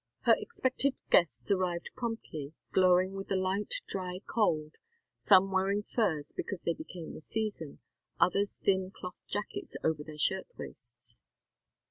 Her expected guests arrived promptly, glowing with the light dry cold, some wearing furs because they became the season, others thin cloth jackets over their shirt waists.